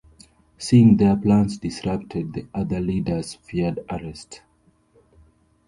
Seeing their plans disrupted, the other leaders feared arrest.